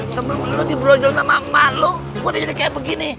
sebelum lo di brojol sama emak lo gue udah jadi kayak begini